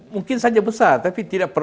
mungkin saja besar tapi